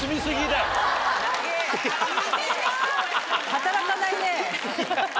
働かないね。